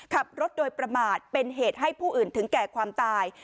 ขับรถโดยประมาทเป็นเหตุให้ผู้อื่นถึงแก่ความตาย